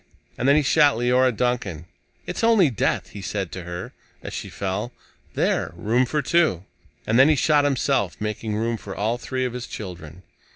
And then he shot Leora Duncan. "It's only death," he said to her as she fell. "There! Room for two." And then he shot himself, making room for all three of his children.